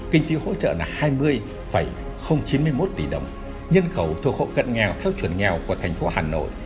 kinh phí hỗ trợ là hai mươi chín mươi một tỷ đồng nhân khẩu thuộc hộ cận nghèo theo chuẩn nghèo của thành phố hà nội